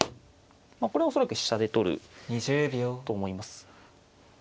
これは恐らく飛車で取ると思います。